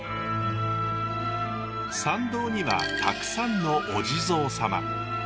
参道にはたくさんのお地蔵様。